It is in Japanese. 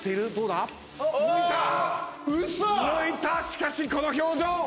しかしこの表情！